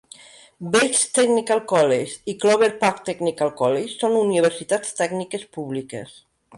Bates Technical College i Clover Park Technical College són universitats tècniques públiques.